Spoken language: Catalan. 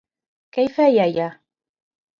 Què hi feia allà?